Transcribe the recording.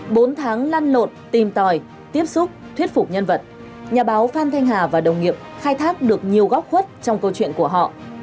bốn tháng lan lộn tìm tòi tiếp xúc thuyết phục nhân vật nhà báo phan thanh hà và đồng nghiệp khai thác được nhiều góc khuất trong câu chuyện của họ